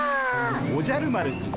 おじゃる丸くん